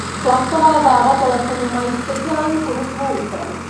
Plastová záda telefonu mají speciální povrchovou úpravu.